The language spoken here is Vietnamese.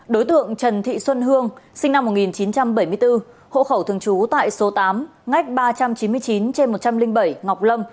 đối tượng trần thị xuân hương sinh năm một nghìn chín trăm bảy mươi bốn hộ khẩu thường trú tại số tám ngách ba trăm chín mươi chín trên một trăm linh bảy ngọc lâm